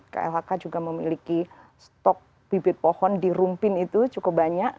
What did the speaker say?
klhk juga memiliki stok bibit pohon di rumpin itu cukup banyak